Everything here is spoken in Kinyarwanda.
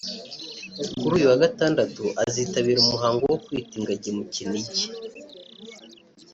Kuri uyu wa gatandatu azitabira umuhango wo kwita ingagi mu Kinigi